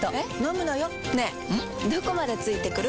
どこまで付いてくる？